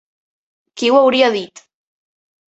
Qui ho hauria dit?